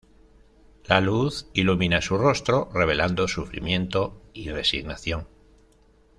La luz ilumina su rostro, revelando sufrimiento y resignación.